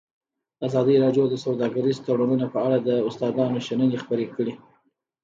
ازادي راډیو د سوداګریز تړونونه په اړه د استادانو شننې خپرې کړي.